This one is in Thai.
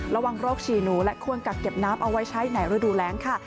ระวังโรคฉี่หนูและควรกักเก็บน้ำเอาไว้ใช้ในฤดูแรงค่ะ